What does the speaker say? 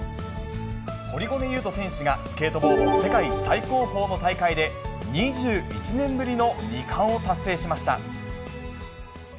堀米雄斗選手が、スケートボード世界最高峰の大会で、２１年ぶりの２冠を達成しました。